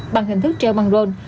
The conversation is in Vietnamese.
bằng hình thức treo băng rôn